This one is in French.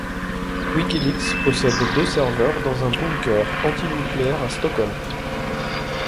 WikiLeaks possède deux serveurs dans un bunker antinucléaire à Stockholm.